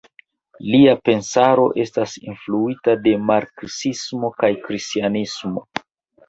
Lia pensaro estas influita de marksismo kaj kristanismo.